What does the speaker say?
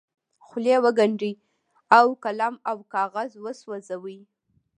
خولې وګنډي او قلم او کاغذ وسوځوي.